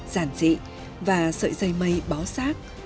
giản dị và sợi dây mây bó sát